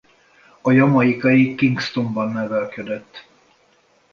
A jamaicai Kingstonban nevelkedett.